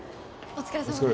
お疲れさまです